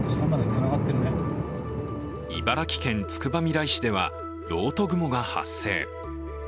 茨城県つくばみらい市では漏斗雲が発生。